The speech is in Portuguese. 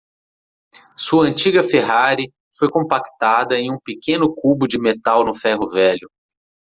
Sua antiga Ferrari foi compactada em um pequeno cubo de metal no ferro-velho.